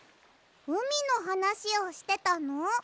うみのはなしをしてたの？